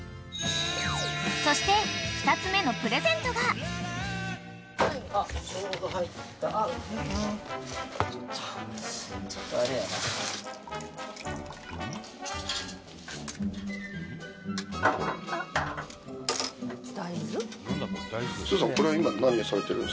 ［そして２つ目のプレゼントが］すーさん